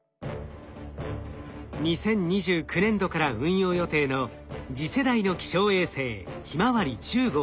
２０２９年度から運用予定の次世代の気象衛星ひまわり１０号。